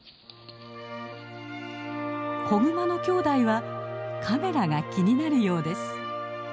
子グマのきょうだいはカメラが気になるようです。